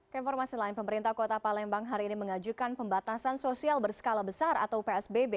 ke informasi lain pemerintah kota palembang hari ini mengajukan pembatasan sosial berskala besar atau psbb